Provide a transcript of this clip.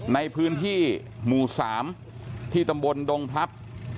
ในพื้นที่หมู่๓ที่ตำบลดงพลับ